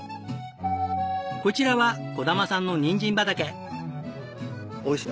こちらは児玉さんのニンジン畑。